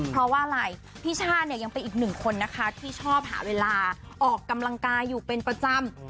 เพราะว่าอะไรพี่ช่าเนี่ยยังเป็นอีกหนึ่งคนนะคะที่ชอบหาเวลาออกกำลังกายอยู่เป็นประจำ